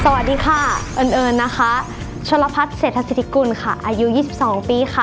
สวัสดีค่ะเอิ้นเอิ้นชัวรภัทรเศรษฐศิษฐิกุลอายุ๒๒ปี